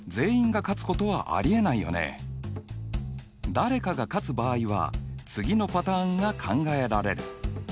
誰かが勝つ場合は次のパターンが考えられる。